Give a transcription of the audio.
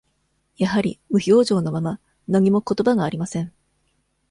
やはり無表情のまま、何もことばがありません。